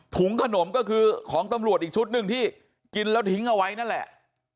ถุงขนมก็คือของตำรวจอีกชุดหนึ่งที่กินแล้วทิ้งเอาไว้นั่นแหละ